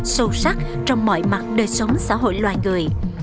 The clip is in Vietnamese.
sâu sắc trong mọi mặt đời sống xã hội loài người